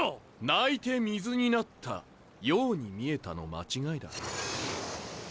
泣いて水になったように見えたの間違いだ。